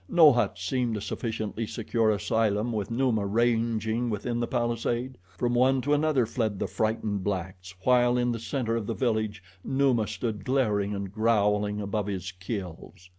No hut seemed a sufficiently secure asylum with Numa ranging within the palisade. From one to another fled the frightened blacks, while in the center of the village Numa stood glaring and growling above his kills.